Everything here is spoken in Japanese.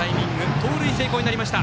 盗塁成功になりました。